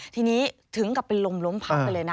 ทีนี้ถึงกลับเป็นลมพักเลย